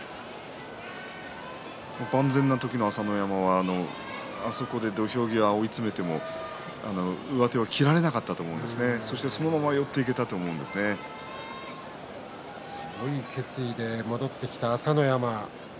万全な時の朝乃山はあそこで土俵際、追い詰めても上手は切られなかったと思うんですね、そして、そのまま強い決意で戻ってきた朝乃山。